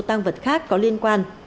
tăng vật khác có liên quan